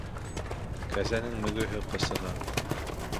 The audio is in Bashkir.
Кәзәнең мөгөҙө ҡысыһа